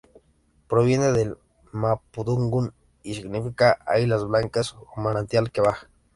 Proviene del mapudungun y significa "águilas blancas" o "manantial que baja".